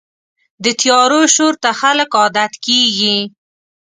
د طیارو شور ته خلک عادت کېږي.